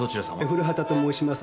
古畑と申します。